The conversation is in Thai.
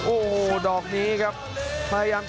โอ้โหดอกนี้ครับไปยัง